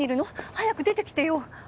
早く出てきてよ。